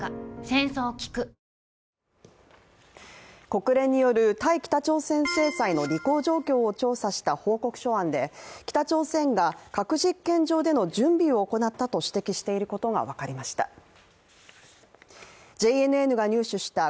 国連による対北朝鮮制裁の履行状況を調査した報告書案で北朝鮮が、核実験場での準備を行ったと指摘していることが分かりました。